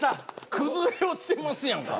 崩れ落ちてますやんか。